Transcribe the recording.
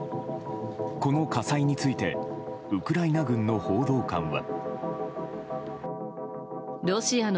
この火災についてウクライナ軍の報道官は。